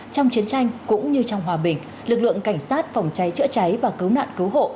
trong chiến tranh cũng như trong hòa bình lực lượng cảnh sát phòng cháy chữa cháy và cứu nạn cứu hộ